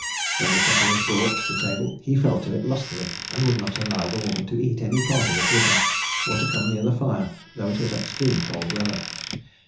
When the supper was brought to the table, he fell to it lustily, and would not allow the woman to eat any part of it with him, or to come near the fire, though it was extreme cold weather.